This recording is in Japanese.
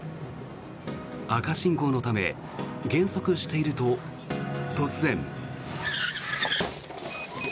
赤信号のため減速していると突然。